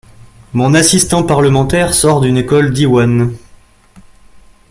Mon assistant parlementaire sort d’une école Diwan.